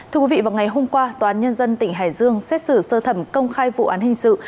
thưa quý vị vào ngày hôm qua tòa án nhân dân tỉnh hải dương xét xử sơ thẩm công khai vụ án hình sự